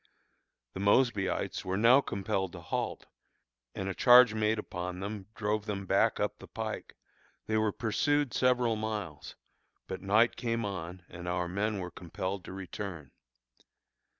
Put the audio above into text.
The Mosbyites were now compelled to halt, and a charge made upon them drove them back up the pike. They were pursued several miles, but night came on and our men were compelled to return.